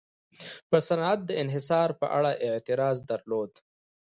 پر صنعت د انحصار په اړه اعتراض درلود.